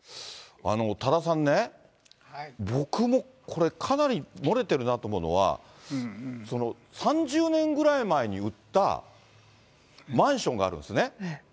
多田さんね、僕もこれ、かなり漏れてるなと思うのは、３０年ぐらい前に売ったマンションがあるんですね。